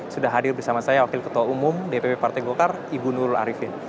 sudah hadir bersama saya wakil ketua umum dpp partai golkar ibu nurul arifin